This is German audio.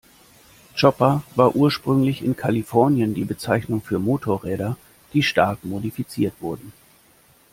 Chopper war ursprünglich in Kalifornien die Bezeichnung für Motorräder, die stark modifiziert wurden.